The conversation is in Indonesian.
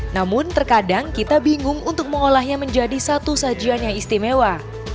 namun terkadang kita bingung untuk mengolahnya menjadi satu sajian yang istimewa